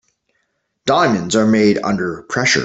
Diamonds are made under pressure.